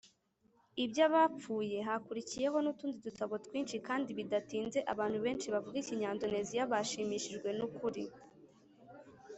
iby abapfuye Hakurikiyeho n utundi dutabo twinshi kandi bidatinze abantu benshi bavuga ikinyandoneziya bashimishijwe n ukuri